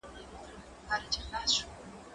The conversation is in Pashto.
کېدای سي کتابتون ليری وي!؟